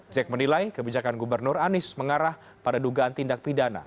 jack menilai kebijakan gubernur anies mengarah pada dugaan tindak pidana